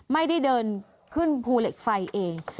ไม่ได้เดินขึ้นภูเหล็กไฟเอง